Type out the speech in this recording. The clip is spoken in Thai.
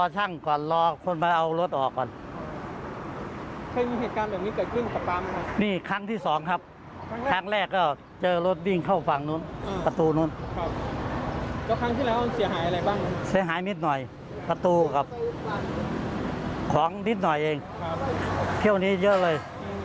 เสียหายนิดหน่อยประตูกับของนิดหน่อยเองเพียววันนี้เยอะเลย